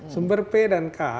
sumber p dan k